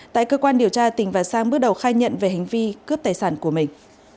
tại cơ quan điều tra tỉnh và sang bước đầu khai nhận về hành vi cướp tài sản của mình